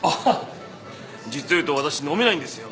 実を言うと私飲めないんですよ。